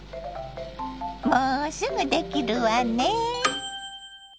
もうすぐできるわねぇ。